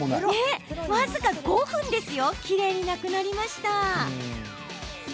僅か５分できれいになくなりました。